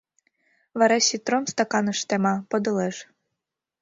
— Вара ситром стаканыш тема, подылеш.